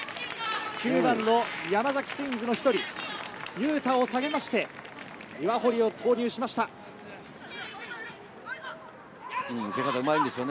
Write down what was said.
９番の山崎ツインズの１人、佑太を下げまして、岩堀を投入し受け方がうまいんですよね。